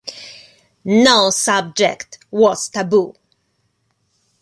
No subject was taboo.